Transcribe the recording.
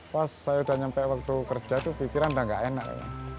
pas saya udah nyampe waktu kerja itu pikiran udah gak enak ya